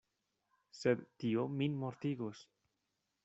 Sed tio min mortigos.